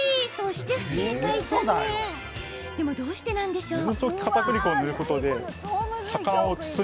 でも、どうしてなんでしょうか？